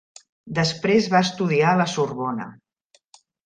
Després va estudiar a la Sorbona.